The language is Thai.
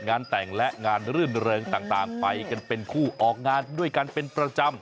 งานแต่งและงานรื่นเริงต่างไปกันเป็นคู่ออกงานด้วยกันเป็นประจำ